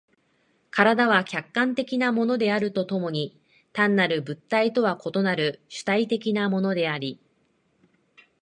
身体は客観的なものであると共に単なる物体とは異なる主体的なものであり、